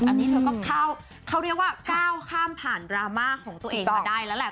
อันนี้เธอก็เข้าเขาเรียกว่าก้าวข้ามผ่านดราม่าของตัวเองมาได้แล้วแหละ